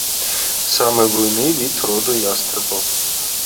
Самы буйны від роду ястрабаў.